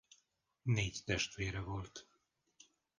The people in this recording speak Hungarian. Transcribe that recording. Négy testvére volt.